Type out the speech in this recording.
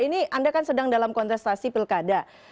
ini anda kan sedang dalam kontestasi pilkada